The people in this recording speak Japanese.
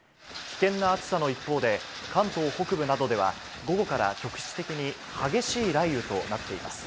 危険な暑さの一方で、関東北部などでは午後から局地的に激しい雷雨となっています。